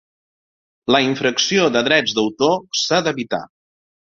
La infracció de drets d'autor s'ha d'evitar.